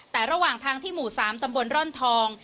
แต่ระหว่างทางที่หมู่๓ตำบลร่อนทอง